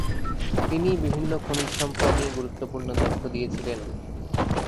তিনি বিভিন্ন খনিজ সম্পদ নিয়ে গুরুত্বপূর্ণ তথ্য দিয়েছিলেন।